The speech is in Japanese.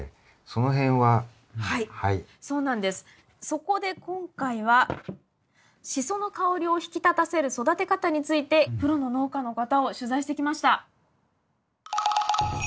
そこで今回はシソの香りを引き立たせる育て方についてプロの農家の方を取材してきました。